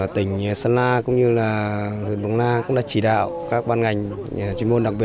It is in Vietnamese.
tỉnh sơn la cũng như huyện mường la cũng đã chỉ đạo các ban ngành chuyên môn đặc biệt